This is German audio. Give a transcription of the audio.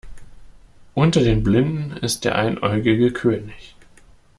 Unter den Blinden ist der Einäugige König.